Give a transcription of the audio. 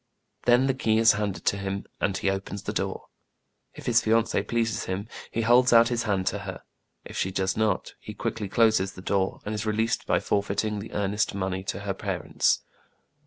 Then the key is handed him, and he opens the door. A SURPRISE FOR KIN FO, 1 69 If \i\^ fiancée pleases him, he holds out his hand to her ; if she does not, he quickly closes the door, and is released by forfeiting the earnest money to her parents.